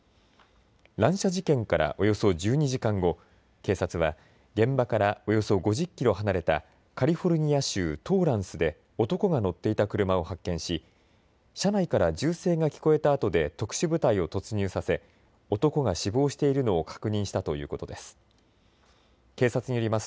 乱射事件からおよそ１２時間後、警察は現場からおよそ５０キロ離れたカリフォルニア州トーランスで男が乗っていた車を発見し車内から銃声が聞こえたあとで特殊部隊を突入させ男が死亡しているのを確認したということです。